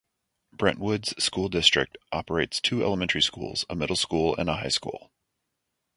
Brentwood's school district operates two elementary schools, a middle school, and a high school.